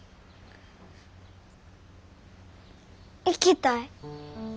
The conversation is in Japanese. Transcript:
行きたい。